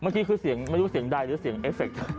เมื่อกี้คือเสียงไม่รู้เสียงใดหรือเสียงเอฟเฟค